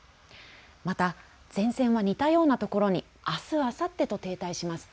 また前線は似たようなところにあすあさってと停滞します。